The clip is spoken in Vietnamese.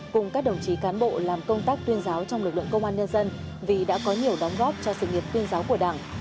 cùng các đồng chí cán bộ làm công tác tuyên giáo trong lực lượng công an nhân dân vì đã có nhiều đóng góp cho sự nghiệp tuyên giáo của đảng